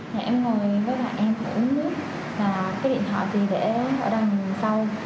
ngày em ngồi với lại em uống nước và cái điện thoại thì để ở đằng sau